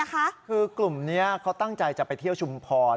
คือกลุ่มนี้เขาตั้งใจจะไปเที่ยวชุมพร